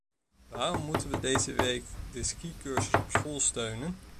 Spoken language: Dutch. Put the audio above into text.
Waarom moeten we deze week de skicursus op school steunen?